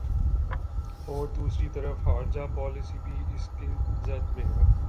ا ور دوسری طرف خارجہ پالیسی بھی اس کی زد میں ہے۔